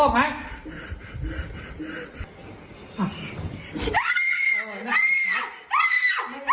อ้อบไหม